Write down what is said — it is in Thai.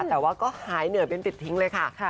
แต่ว่าก็หายเหนื่อยเป็นติดทิ้งเลยค่ะ